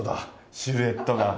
シルエットが。